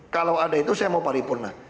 kalau ada itu saya mau paripurna